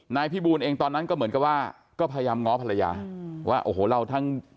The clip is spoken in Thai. พี่บูลเองตอนนั้นก็เหมือนกับว่าก็พยายามง้อภรรยาว่าโอ้โหเราทั้ง